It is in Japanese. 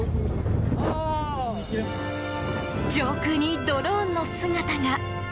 上空にドローンの姿が。